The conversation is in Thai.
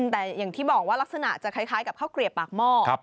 แต่อย่างที่บอกว่ารักษณะจะคล้ายกับข้าวเกลียบปากหม้อ